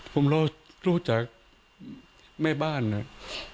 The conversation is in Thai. ผมรู้จากแม่บ้านน่ะ